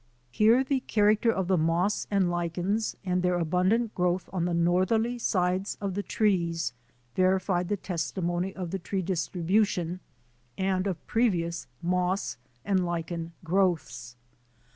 Here the character of the moss and lichens and their abundant growth on the northerly sides of the trees verified the testimony of the tree distribution and of previous moss and lichen growths.